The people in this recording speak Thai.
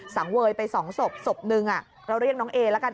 สังเวยไปสองศพศพหนึ่งเราเรียกน้องเอละกัน